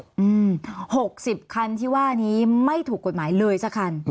หกสิบคันที่ว่านี้ไม่ถูกกฎหมายเลยสักคัน